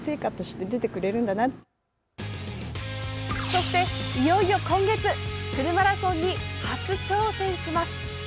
そして、いよいよ今月フルマラソンに初挑戦します。